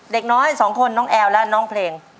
เด็กน้อยสองคนน้องแอลและน้องเพลง